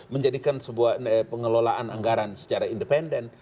menjadikan sebuah pengelolaan anggaran secara independen